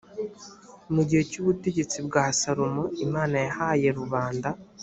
mu gihe cy ubutegetsi bwa salomo imana yahaye rubanda